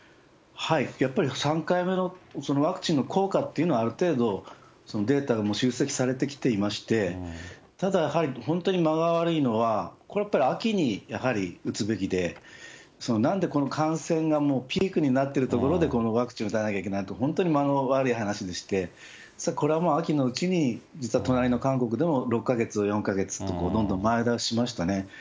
やっぱり、３回目のそのワクチンの効果っていうのはある程度、データが集積されてきていまして、ただ、やはり本当に間が悪いのは、これはやっぱり秋にやはり打つべきで、なんでこの感染がもうピークになってるところで、このワクチンを打たなきゃいけないって、本当に間が悪い話でして、これはもう秋のうちに実は隣の韓国でも６か月、４か月と、どんどん前倒ししましたね。